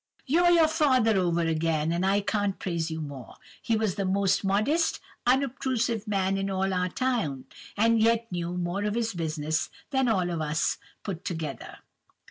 You're your father over again, and I can't praise you more. He was the most modest, unobtrusive man in all our town, and yet knew more of his business than all of us put together.